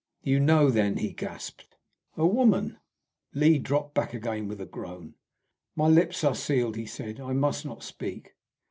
"You know, then?" he gasped. "A woman." Lee dropped back again with a groan. "My lips are sealed," he said. "I must not speak."